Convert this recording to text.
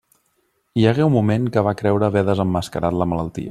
Hi hagué un moment que va creure haver desemmascarat la malaltia.